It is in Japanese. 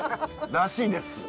らしいです。